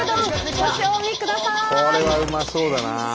これはうまそうだな。